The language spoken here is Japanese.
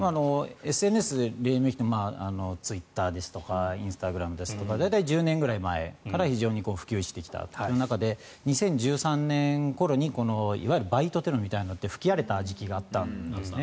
ＳＮＳ黎明期にツイッターですとかインスタグラムですとか大体１０年ぐらい前から非常に普及してきた中で２０１３年ごろにいわゆるバイトテロみたいなのがあって吹き荒れた時期があったんですね。